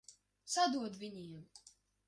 Sadod viņiem!